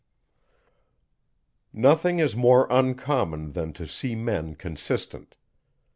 Nothing is more uncommon, than to see men consistent.